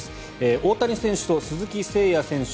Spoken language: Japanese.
大谷選手と鈴木誠也選手